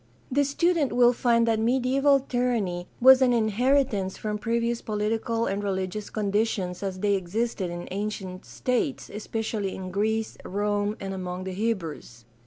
The student will find that mediaeval tyranny was an inheritance from previous political and religious conditions as they existed in ancient states, especially in Greece, Rome, and among the Hebrews.